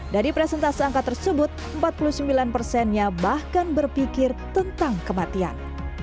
dari presentasi angka tersebut empat puluh sembilan persennya bahkan berpikir tentang kematian